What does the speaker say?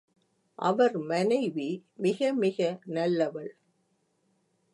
அவர் மனைவி மிக மிக நல்லவள்.